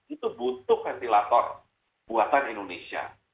itu butuh ventilator buatan indonesia